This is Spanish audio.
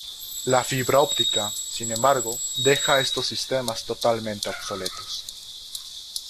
La fibra óptica, sin embargo, deja a estos sistemas totalmente obsoletos.